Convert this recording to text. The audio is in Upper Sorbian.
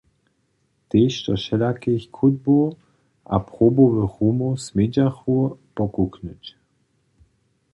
Tež do wšelakich chódbow a probowych rumow smědźachmy pokuknyć.